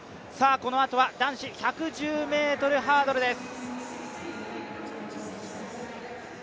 このあとは男子１１０ｍハードルです。